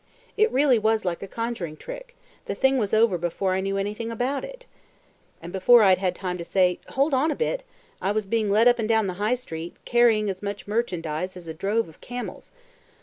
It really was like a conjuring trick; the thing was done before I knew anything about it. And before I'd had time to say, 'Hold on a bit,' I was being led up and down the High Street, carrying as much merchandize as a drove of camels.